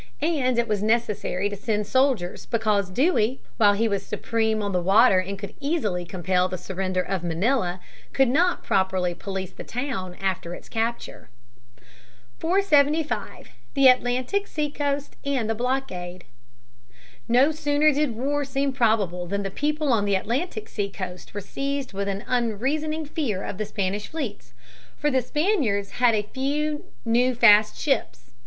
And it was necessary to send soldiers because Dewey, while he was supreme on the water and could easily compel the surrender of Manila, could not properly police the town after its capture. [Sidenote: Defense of the Atlantic seaboard.] [Sidenote: Blockade of Cuba.] 475. The Atlantic Seacoast and the Blockade. No sooner did war seem probable than the people on the Atlantic seacoast were seized with an unreasoning fear of the Spanish fleets. For the Spaniards had a few new fast ships.